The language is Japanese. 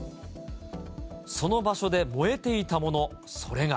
その場所で燃えていたもの、それが。